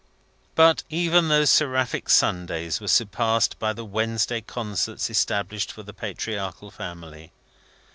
But, even those seraphic Sundays were surpassed by the Wednesday concerts established for the patriarchal family.